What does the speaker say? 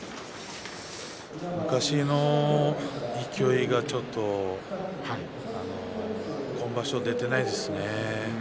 昔の勢いがちょっと今場所、出ていないですね。